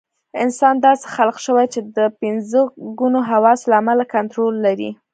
انسان داسې خلق شوی چې د پنځه ګونو حواسو له امله کنټرول لري.